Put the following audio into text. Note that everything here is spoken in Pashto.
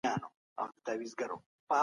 د چاپيريال ساتني ته جدي پام وکړئ.